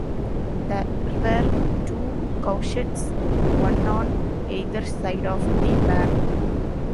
There were two cowsheds, one on either side of the barn.